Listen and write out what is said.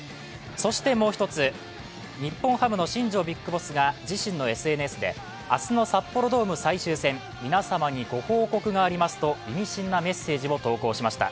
そしてもう１つ、日本ハムの新庄ＢＩＧＢＯＳＳが自身のＳＮＳで、明日の札幌ドーム最終戦、皆様にご報告がありますと意味深なメッセージを投稿しました。